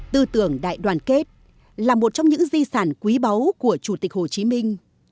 tư tưởng đại đoàn kết là một trong những di sản quý báu của chủ tịch hồ chí minh